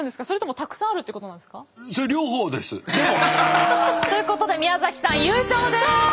それともたくさんあるってことなんですか？ということで宮崎さん優勝です。